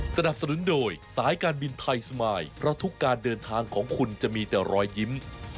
สนับสนุนโดยสายการบินไทยสมายเพราะทุกการเดินทางของคุณจะมีแต่รอยยิ้ม